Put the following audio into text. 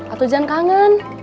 atau jangan kangen